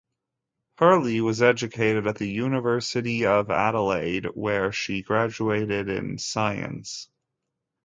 Hurley was educated at the University of Adelaide, where she graduated in science.